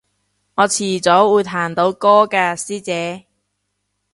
我遲早會彈到歌㗎師姐